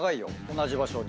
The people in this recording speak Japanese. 同じ場所に。